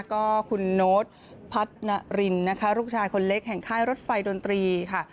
ก็คุณโน้ตพัฒนารินนะคะลูกชายคนเล็กแห่งค่ายรถไฟดนตรีค่ะ